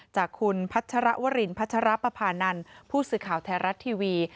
จากคุณพัชรวรินพัชรปภานันทร์ผู้สื่อข่าวไทยรัฐทีวี